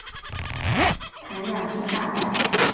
谭雅士大宅。